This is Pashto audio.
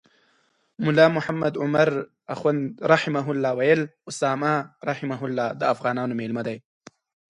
ملا محمد عمر اخند ویل اسامه د افغانانو میلمه دی.